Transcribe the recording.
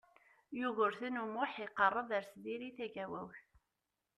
Yugurten U Muḥ iqerreb ar Tiziri Tagawawt.